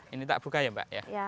ini tak buka ya mbak ya